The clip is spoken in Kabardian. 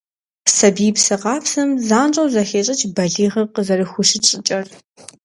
Сабиипсэ къабзэм занщӀэу зэхещӀыкӀ балигъыр къызэрыхущыт щӀыкӀэр.